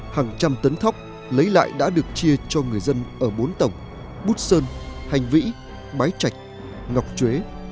hàng trăm tấn thóc lấy lại đã được chia cho người dân ở bốn tổng bút sơn hành vĩ bái chạch ngọc chuế